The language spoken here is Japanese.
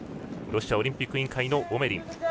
ロシアオリンピック委員会のオメリン。